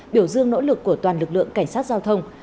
biểu dương nỗ lực của toàn lực lượng cảnh sát giao thông